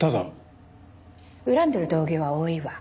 恨んでる同業は多いわ。